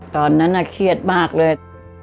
ตอนนั้นน่ะเครียดมากเลย